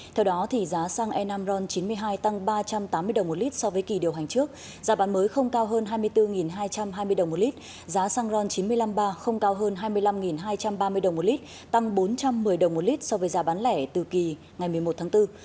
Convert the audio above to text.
theo đó giá xăng e năm ron chín mươi hai tăng ba trăm tám mươi đồng một lít so với kỳ điều hành trước giá bán mới không cao hơn hai mươi bốn hai trăm hai mươi đồng một lít giá xăng ron chín trăm năm mươi ba không cao hơn hai mươi năm hai trăm ba mươi đồng một lít tăng bốn trăm một mươi đồng một lít so với giá bán lẻ từ kỳ ngày một mươi một tháng bốn